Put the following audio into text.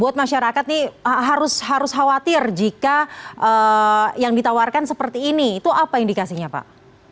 buat masyarakat nih harus khawatir jika yang ditawarkan seperti ini itu apa indikasinya pak